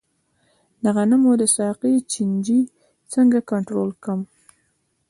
د غنمو د ساقې چینجی څنګه کنټرول کړم؟